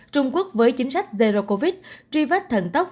trung quốc với chính sách zero covid truy vết thần tốc